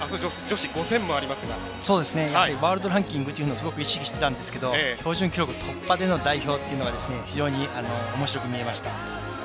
ワールドランキングというのをすごく意識してたんですけど標準記録突破での代表というのが非常におもしろく見えました。